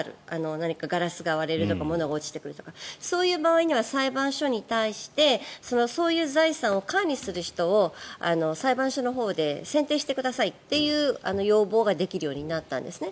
何かガラスが割れるとか物が落ちてくるとかそういう場合には裁判所に対してそういう財産を管理する人を裁判所のほうで選定してくださいという要望ができるようになったんですね。